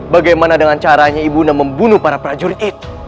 bagaimana dengan caranya ibu membunuh para prajurit itu